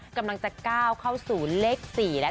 กำลังจะก้าวเข้าสู่เลข๔